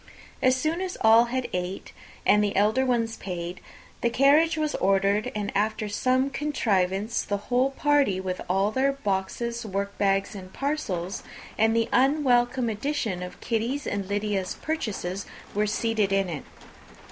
As soon as all had ate, and the elder ones paid, the carriage was ordered; and, after some contrivance, the whole party, with all their boxes, workbags, and parcels, and the unwelcome addition of Kitty's and Lydia's purchases, were seated in it.